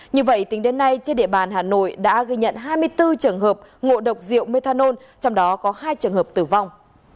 như vậy tính đến nay trên địa bàn hà nội đã ghi nhận hai mươi bốn trường hợp ngộ độc rượu methanol trong đó có hai trường hợp tử vong